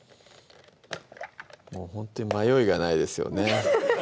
もうほんとに迷いがないですよね